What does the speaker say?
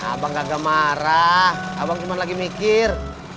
abang agak marah abang cuma lagi mikir